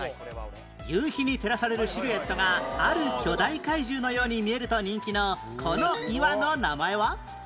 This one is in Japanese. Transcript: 夕日に照らされるシルエットがある巨大怪獣のように見えると人気のこの岩の名前は？